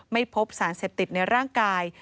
ไม่พบสารเสพติดในร่างกาย